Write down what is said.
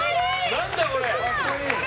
何だこれ。